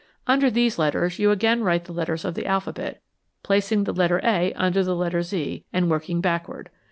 Under these letters you again write the letters of the alphabet, placing the letter A under the letter Z and working backward.